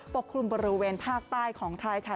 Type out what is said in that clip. กลุ่มบริเวณภาคใต้ของไทยค่ะ